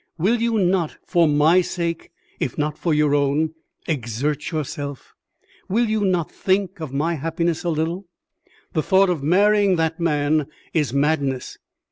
"Will you not, for my sake, if not for your own, exert yourself? Will you not think of my happiness a little? The thought of marrying that man is madness."